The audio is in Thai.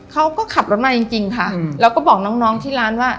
เขาก็ขับรถมาจริงจริงค่ะแล้วก็บอกน้องที่ร้านว่า